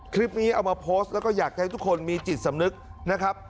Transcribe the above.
คลิปนี้เอามาโพสต์แล้วก็อยากจะให้ทุกคนมีจิตสำนึกนะครับ